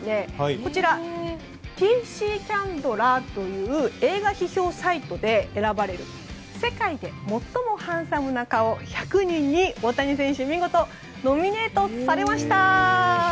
こちらＴＣＣａｎｄｌｅｒという映画批評サイトで選ばれる世界で最もハンサムな顔１００人に大谷選手、見事ノミネートされました！